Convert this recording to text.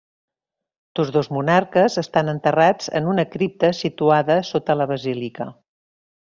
Tots dos monarques estan enterrats en una cripta situada sota la basílica.